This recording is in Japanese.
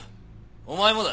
お前もだ。